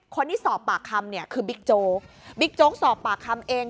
คนที่สอบปากคำเนี่ยคือบิ๊กโจ๊กบิ๊กโจ๊กสอบปากคำเอง